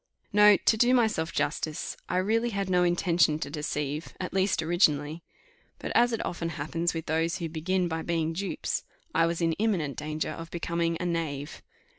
No, to do myself justice, I really had no intention to deceive, at least originally; but, as it often happens with those who begin by being dupes, I was in imminent danger of becoming a knave.